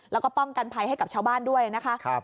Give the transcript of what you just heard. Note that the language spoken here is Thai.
แล้วก็ป้องกันภัยให้กับชาวบ้านด้วยนะคะ